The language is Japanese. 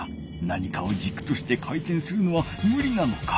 何かをじくとして回転するのはむりなのか。